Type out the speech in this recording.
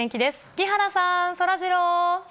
木原さん、そらジロー。